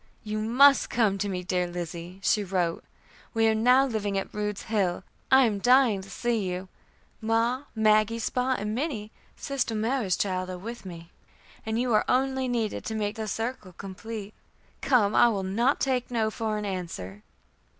"You must come to me, dear Lizzie," she wrote. "We are now living at Rude's Hill. I am dying to see you. Ma, Maggie, Spot, and Minnie, sister Mary's child, are with me, and you only are needed to make the circle complete. Come; I will not take no for an answer."